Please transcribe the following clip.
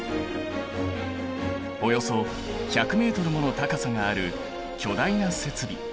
およそ１００ｍもの高さがある巨大な設備。